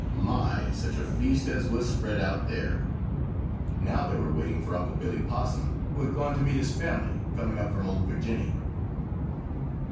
My, such a feast as was spread out there! Now they were waiting for Unc' Billy Possum, who had gone to meet his family, coming up from "Ol' Virginny."